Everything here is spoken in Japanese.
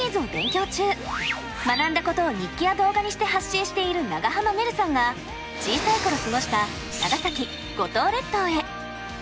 学んだことを日記や動画にして発信している長濱ねるさんが小さい頃過ごした長崎・五島列島へ。